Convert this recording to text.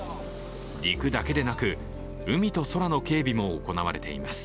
陸だけでなく、海と空の警備も行われています。